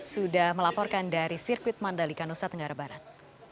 sudah melaporkan dari sirkuit mandalika nusa tenggara barat